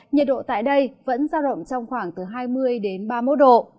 nhiệt độ tại đây vẫn giao động trong khoảng từ hai mươi đến ba mươi một độ